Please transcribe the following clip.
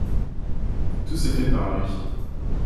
Tout se fait par lui.